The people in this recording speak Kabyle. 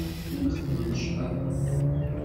Llan xeddmen cclaḍa.